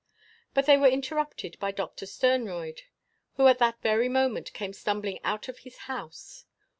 But they were interrupted by Doctor Sternroyd, who at that very moment came stumbling out of his house.